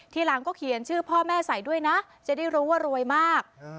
ทีหลังก็เขียนชื่อพ่อแม่ใส่ด้วยนะจะได้รู้ว่ารวยมาก